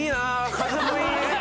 風もいい！